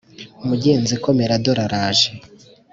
Mugenzi komera dore araje